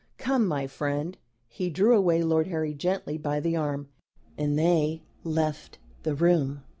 Come, my friend." He drew away Lord Harry gently by the arm, and they left the room.